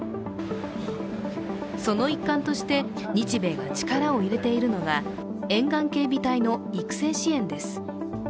その一環として、日米が力を入れているのが沿岸警備隊の育成支援です。